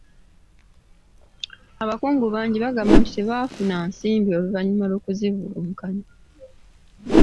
Abakungu bangi bagamba nti tebaafuna nsimbi oluvannyuma lw'okuzibulankanya.